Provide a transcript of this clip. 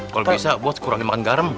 kalau bisa bos kurang dimakan garam